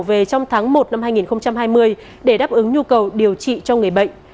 về trong tháng một năm hai nghìn hai mươi để đáp ứng nhu cầu điều trị cho người bệnh